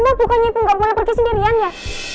mbak bukannya ibu gak boleh pergi sendirian ya